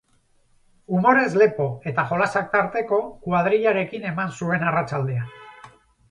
Umorez lepo eta jolasak tarteko, kuadrillarekin eman zuten arratsaldea.